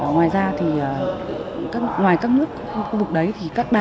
ngoài ra thì ngoài các nước trong khu vực đấy thì các bà